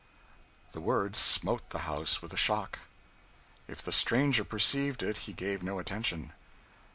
The words smote the house with a shock; if the stranger perceived it he gave no attention.